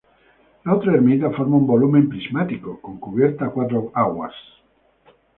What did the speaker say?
La otra ermita forma un volumen prismático, con cubierta a cuatro aguas.